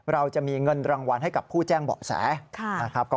เราจะมีเงินรางวัลให้กับผู้แจ้งเบาะแสนะครับ